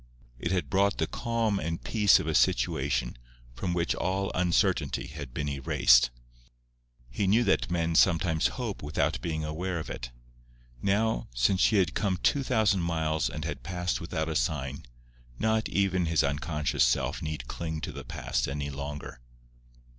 It had brought the calm and peace of a situation from which all uncertainty had been erased. He knew that men sometimes hope without being aware of it. Now, since she had come two thousand miles and had passed without a sign, not even his unconscious self need cling to the past any longer.